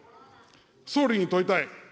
総理に問いたい。